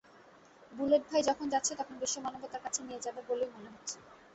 Bullet ভাই যখন যাচ্ছে তখন বিশ্বমানবতার কাছে নিয়ে যাবে বলেই মনে হচ্ছে।